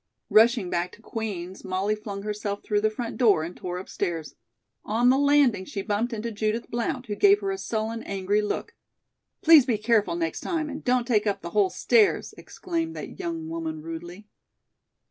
Rushing back to Queen's, Molly flung herself through the front door and tore upstairs. On the landing she bumped into Judith Blount, who gave her a sullen, angry look. "Please be careful next time and don't take up the whole stairs," exclaimed that young woman rudely.